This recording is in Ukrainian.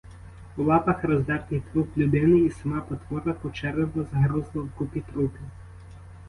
У лапах роздертий труп людини, і сама потвора по черево загрузла в купі трупів.